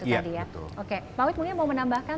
tadi ya iya betul oke pak wit mungkin mau menambahkan